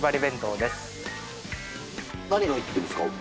何が入ってるんですか？